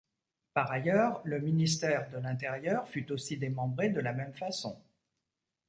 Par ailleurs, le ministère de l'Intérieur fut aussi démembré de la même façon.